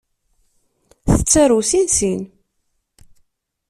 Tettarew sin sin.